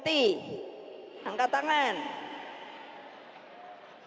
kita akan bercakap